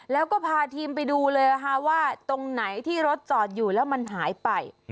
แล้วก็พาทีมไปดูเลยนะคะว่าตรงไหนที่รถจอดอยู่แล้วมันหายไป